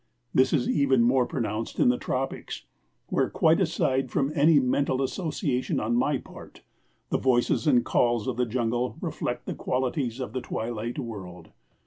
This is even more pronounced in the tropics, where, quite aside from any mental association on my part, the voices and calls of the jungle reflect the qualities of that twilight world.